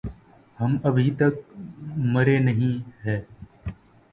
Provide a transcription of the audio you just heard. ہم أبھی تک مریں نہیں ہے۔